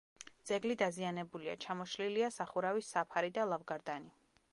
ძეგლი დაზიანებულია: ჩამოშლილია სახურავის საფარი და ლავგარდანი.